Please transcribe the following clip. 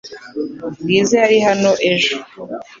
Bwiza yari hano ejo .